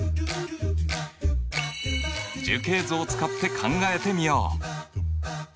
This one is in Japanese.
樹形図を使って考えてみよう！